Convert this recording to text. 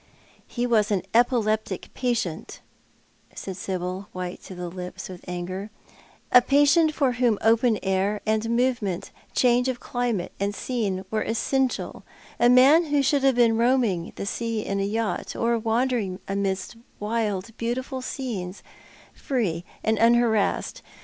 " He was an epileptic patient," said Sibyl, white to the lips with anger; "a patient for whom open air and movement, change of climate and scene, were essential — a man who should have been roaming the sea in a yacht, or wandering amidst wild, beautiful scenes, free and unharassed.